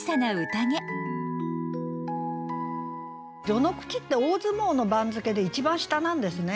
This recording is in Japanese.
「序の口」って大相撲の番付で一番下なんですね。